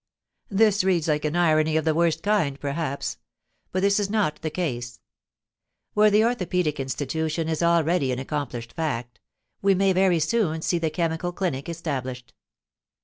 This reads like an irony of the worst kind, perhaps; but this is not the case. Where the orthopaedic institution is already an accomplished fact, we may very soon see the chemical clinic established.